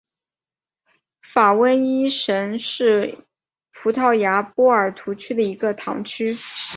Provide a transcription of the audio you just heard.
法翁伊什是葡萄牙波尔图区的一个堂区。